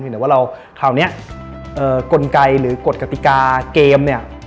แต่ว่าเราคราวนี้กลไกหรือกฎกติกาเกมเนี่ย